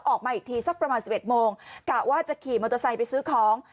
ออกมาอีกทีสักประมาณ๑๑โมงกะว่าจะขี่มอเตอร์ไซค์ไปซื้อของ